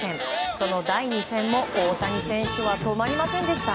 その第２戦も大谷選手は止まりませんでした。